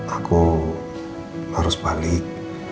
aku harus balik